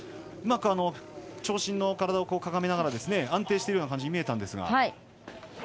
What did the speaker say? うまく、長身の体をかがめながら安定しているような感じに見えたんですが。